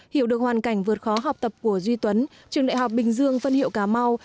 hiểu được hoàn cảnh vượt khó học tập của duy tuấn trường đại học bình dương phân hiệu cà mau